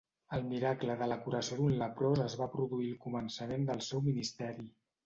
El miracle de la curació d'un leprós es va produir al començament del seu ministeri.